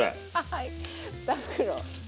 はい２袋。